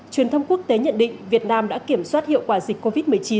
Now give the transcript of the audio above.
truyền thông quốc tế nhận định việt nam đã kiểm soát hiệu quả dịch covid một mươi chín